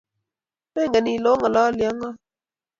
makingen ile ong'alani ak ng'o